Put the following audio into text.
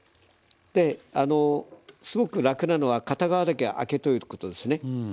すごく楽なのは片側だけあけとくことですね。